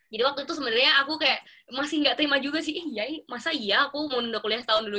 jadi waktu itu sebenernya aku kayak masih gak terima juga sih eh iya masa iya aku mau nunda kuliah setahun dulu